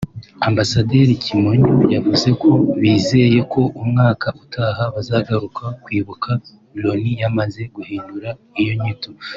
Ambasaderi Kimonyo yavuze ko bizeye ko umwaka utaha bazagaruka kwibuka Loni yamaze guhindura iyo nyito